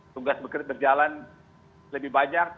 tugas berjalan lebih banyak